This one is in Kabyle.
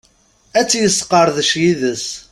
Ad tt-yesqerdec yid-s.